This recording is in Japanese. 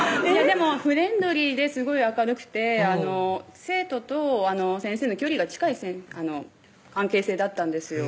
でもフレンドリーですごい明るくて生徒と先生の距離が近い関係性だったんですよ